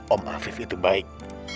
om afif itu baik